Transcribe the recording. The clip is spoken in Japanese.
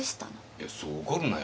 いやそう怒るなよ。